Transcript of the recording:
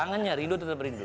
kangen ya rindu tetap rindu